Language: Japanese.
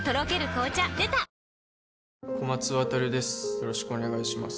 よろしくお願いします